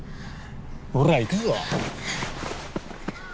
ほら行くぞ。